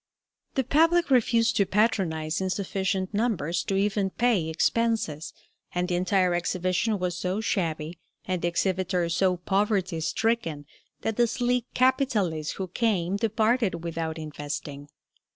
The public refused to patronize in sufficient numbers to even pay expenses, and the entire exhibition was so shabby, and the exhibitors so poverty stricken, that the sleek capitalists who came departed without investing.